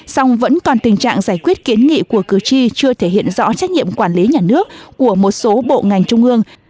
song vẫn còn tình trạng giải quyết kiến nghị của cử tri chưa thể hiện rõ trách nhiệm quản lý nhà nước của một số bộ ngành trung ương